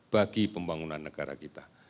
bagi pembangunan negara kita